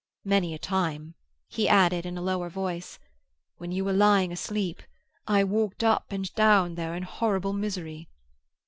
Many a time," he added, in a lower voice, "when you were lying asleep, I walked up and down there in horrible misery."